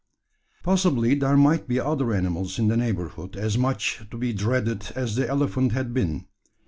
Possibly there might be other animals in the neighbourhood as much to be dreaded as the elephant had been.